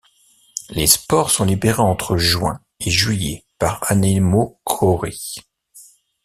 Les spores sont libérées entre juin et juillet par anémochorie.